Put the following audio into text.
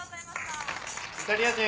「イタリア人」